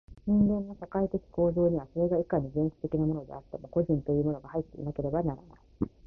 人間の社会的構造には、それがいかに原始的なものであっても、個人というものが入っていなければならない。